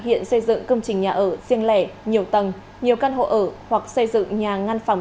hiện xây dựng công trình nhà ở riêng lẻ nhiều tầng nhiều căn hộ ở hoặc xây dựng nhà ngăn phòng